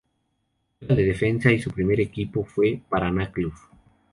Juega de defensa y su primer equipo fue Paraná Clube.